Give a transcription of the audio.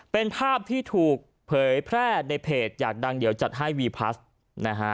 เป็นภาพที่ถูกเผยแพร่ในเพจอยากดังเดี๋ยวจัดให้วีพลัสนะฮะ